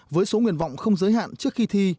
với số nguyện vọng không giới hạn trước khi thi